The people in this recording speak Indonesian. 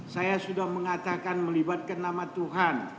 saya sudah mengatakan melibatkan nama tuhan